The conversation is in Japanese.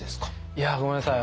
いやごめんなさい。